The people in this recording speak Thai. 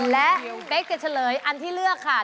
และเป๊กจะเฉลยอันที่เลือกค่ะ